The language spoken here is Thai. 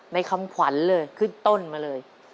คำขวัญเลยขึ้นต้นมาเลย